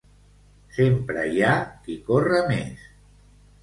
Sempre hi ha qui corre més.